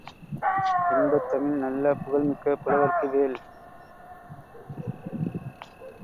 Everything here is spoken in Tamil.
இன்பத்தமிழ் நல்ல புகழ்மிக்க புலவர்க்கு வேல்